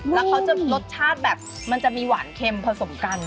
แล้วเขาจะรสชาติแบบมันจะมีหวานเค็มผสมกัน